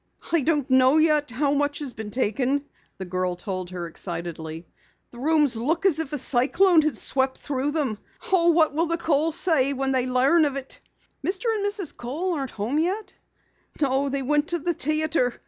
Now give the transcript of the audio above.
"I don't know yet how much has been taken," the girl told her excitedly. "The rooms look as if a cyclone had swept through them! Oh, what will the Kohls say when they learn about it?" "Mr. and Mrs. Kohl aren't home yet?" "No, they went to the theatre.